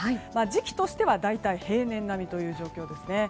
時期としては大体平年並みという状況ですね。